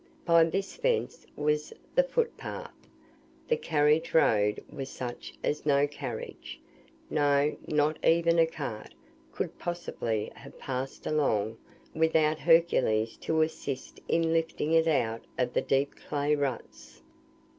By this fence was the foot path. The carriage road was such as no carriage, no, not even a cart, could possibly have passed along, without Hercules to assist in lifting it out of the deep clay ruts.